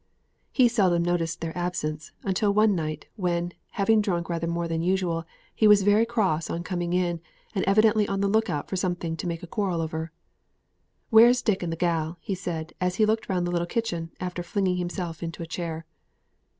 He seldom noticed their absence, until one night, when, having drunk rather more than usual, he was very cross on coming in, and evidently on the look out for something to make a quarrel over. "Where's Dick and the gal?" he said, as he looked round the little kitchen, after flinging himself into a chair.